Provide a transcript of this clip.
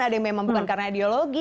ada yang memang bukan karena ideologi